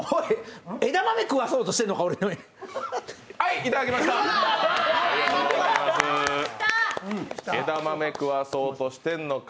枝豆食わそうとしてるのか。